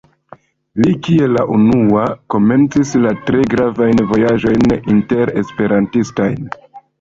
Li kiel la unua komencis la tre gravajn vojaĝojn inter-Esperantistajn.